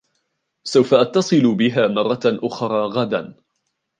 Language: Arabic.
سَوفَ أتصل بها مرة أُخرى غداَ.